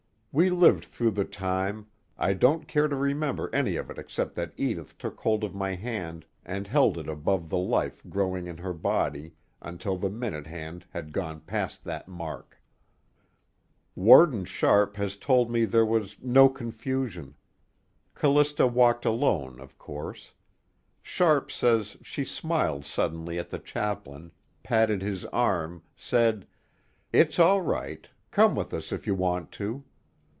We lived through the time I don't care to remember any of it except that Edith took hold of my hand and held it above the life growing in her body, until the minute hand had gone past that mark. Warden Sharpe has told me there was "no confusion." Callista walked alone of course. Sharpe says she smiled suddenly at the chaplain, patted his arm, said: "It's all right. Come with us if you want to."